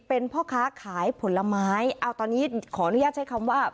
เป็นพ่อค้าขายผลไม้เอาตอนนี้ขออนุญาตใช้คำว่า